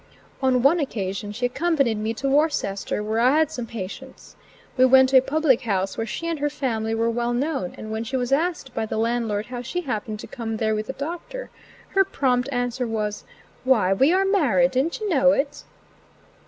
On one occasion she accompanied me to Worcester where I had some patients. We went to a public house where she and her family were well known, and when she was asked by the landlord how she happened to come there with the doctor, her prompt answer was: "Why, we are married; did'nt you know it?"